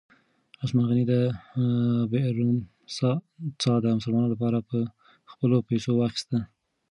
عثمان غني د بئر رومه څاه د مسلمانانو لپاره په خپلو پیسو واخیسته.